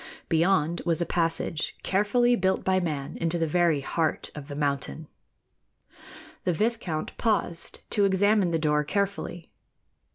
Beyond was a passage carefully built by man into the very heart of the mountain. The viscount paused to examine the door carefully.